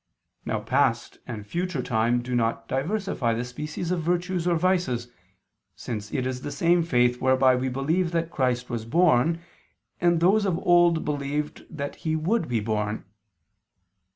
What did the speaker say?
Now past and future time do not diversify the species of virtues or vices, since it is the same faith whereby we believe that Christ was born, and those of old believed that He would be born.